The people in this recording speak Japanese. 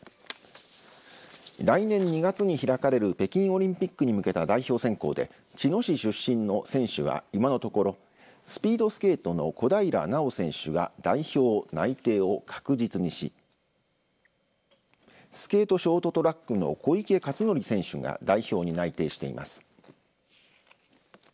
来年２月に開かれる北京オリンピックに向けた代表選考で茅野市出身の選手は今のところスピードスケートの小平奈緒選手が代表内定を確実にしスケート・ショートトラックの小池克典選手が代表に内定しています。